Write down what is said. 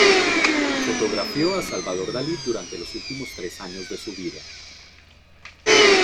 Fotografió a Salvador Dalí durante los tres últimos años de su vida.